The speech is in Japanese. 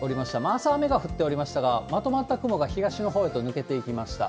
朝は雨が降っておりましたが、まとまった雲が東のほうへと抜けていきました。